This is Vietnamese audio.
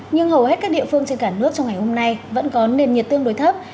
nhưng hầu hết các địa phương trên cả nước trong ngày hôm nay vẫn có nền nhiệt tương đối thấp